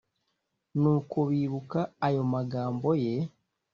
Nuko bibuka ayo magambo ye